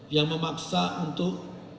yang memaksa untuk